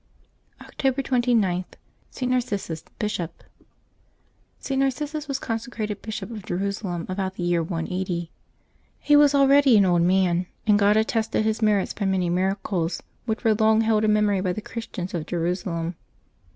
October 29.— ST. NARCISSUS, Bishop. [t. iSTARCissus was consecrated Bishop of Jerusalem about the year 180. He was already an old man, and God attested his merits by many miracles, which were long held in memory by the Christians of Jerusalem.